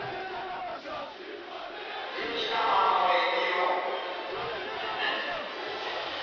生きたままのエビを。